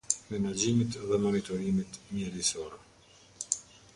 Menaxhimit dhe monitorimit mjedisor.